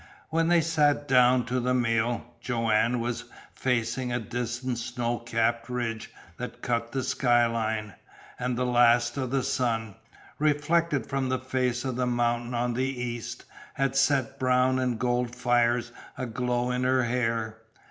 When they sat down to the meal, Joanne was facing a distant snow capped ridge that cut the skyline, and the last of the sun, reflected from the face of the mountain on the east, had set brown and gold fires aglow in her hair.